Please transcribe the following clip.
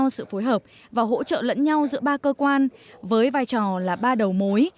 sự phối hợp và hỗ trợ lẫn nhau giữa ba cơ quan với vai trò là ba đầu mối